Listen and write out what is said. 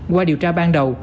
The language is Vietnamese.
qua điều tra ban đầu